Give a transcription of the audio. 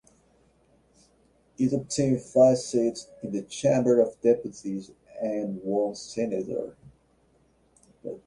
It obtained five seats in the Chamber of Deputies and one Senator.